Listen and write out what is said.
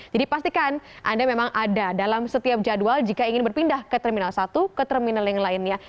jadi pastikan anda memang ada dalam setiap jadwal jika ingin berpindah ke terminal satu ke terminal yang lainnya